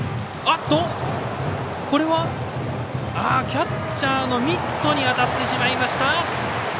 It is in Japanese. キャッチャーのミットに当たってしまいました。